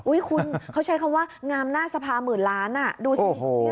คุณเขาใช้คำว่างามหน้าสภาหมื่นล้านดูสิ